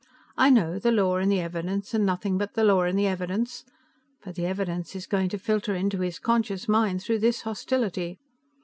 I know, the law and the evidence and nothing but the law and the evidence, but the evidence is going to filter into his conscious mind through this hostility.